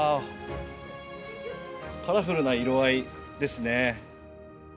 カラフルな色合いですね。